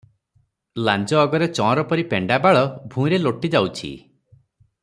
ଲାଞ୍ଜ ଅଗରେ ଚଅଁରପରି ପେଣ୍ତା ବାଳ ଭୁଇଁରେ ଲୋଟିଯାଉଛି ।